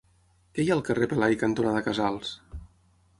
Què hi ha al carrer Pelai cantonada Casals?